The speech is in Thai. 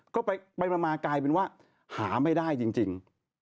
ก็ไปมากลายเป็นว่าหาไม่ได้จริง